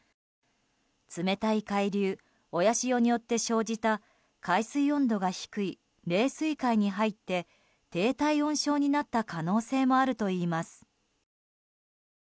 冷たい海流、親潮によって生じた海水温度が低い冷水塊に入って低体温症になった可能性もあるといいます。